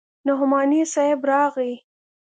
نعماني صاحب راغى.